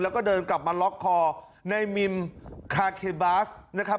แล้วก็เดินกลับมาล็อกคอในมิมคาเคบาสนะครับ